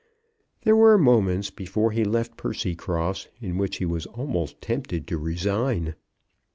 There were moments before he left Percycross in which he was almost tempted to resign.